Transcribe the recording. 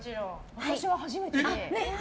私は初めてで。